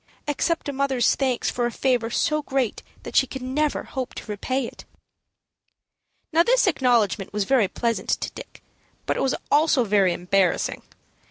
Accept a mother's thanks for a favor so great that she can never hope to repay it." Now this acknowledgment was very pleasant to Dick, but it was also very embarrassing.